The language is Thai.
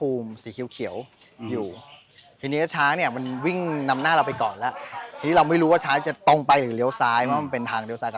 อืมที่เราอยู่ที่จิตใจฮะก็เดี๋ยวเรานึก